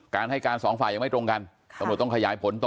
การให้การ๒ฝ่ายยังไม่ตรงกันท่านโบราณต้องขยายผลต่อ